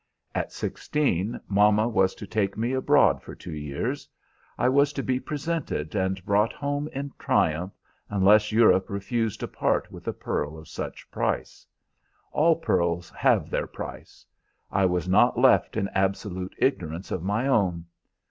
At sixteen mama was to take me abroad for two years; I was to be presented and brought home in triumph, unless Europe refused to part with a pearl of such price. All pearls have their price. I was not left in absolute ignorance of my own.